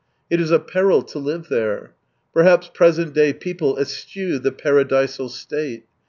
It is a peril . to live there. ... Perhaps present day people eschew the paradisal state.